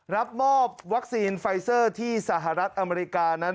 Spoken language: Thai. รับมอบวัคซีนไฟเซอร์ที่สหรัฐอเมริกานั้น